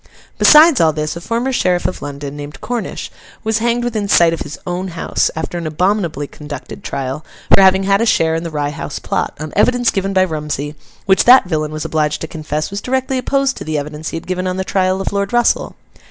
Besides all this, a former sheriff of London, named Cornish, was hanged within sight of his own house, after an abominably conducted trial, for having had a share in the Rye House Plot, on evidence given by Rumsey, which that villain was obliged to confess was directly opposed to the evidence he had given on the trial of Lord Russell.